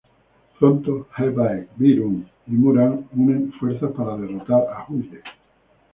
Pronto Ha-baek, Bi-ryum y Mu-ra unen fuerzas para derrotar a Hu-ye.